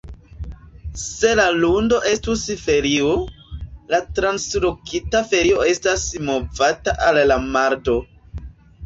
Se la lundo estus ferio, la translokita ferio estas movata al la mardo.